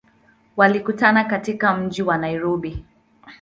Walikutana katika mji wa Nairobi.